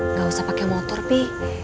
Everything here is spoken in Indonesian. nggak usah pakai motor pi